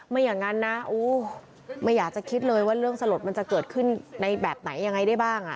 ไม่อย่างนั้นนะไม่อยากจะคิดเลยว่าเรื่องสลดมันจะเกิดขึ้นในแบบไหนยังไงได้บ้าง